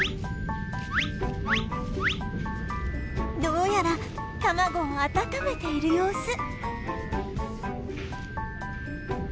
どうやら卵を温めている様子